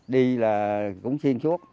đi là cũng xuyên suốt